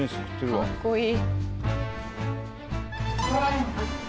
かっこいい！